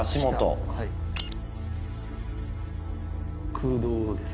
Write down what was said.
空洞です。